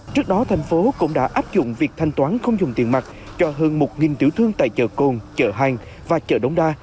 trước đó thành phố cũng đã áp dụng việc thanh toán không dùng tiền mặt cho hơn một tiểu thương tại chợ cồn chợ hàng và chợ đống đa